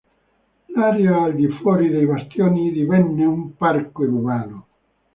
L'area al di fuori dei bastioni divenne un parco urbano.